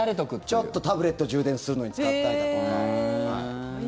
ちょっとタブレット充電するのに使ったりだとか。